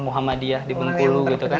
muhammadiyah di bengkulu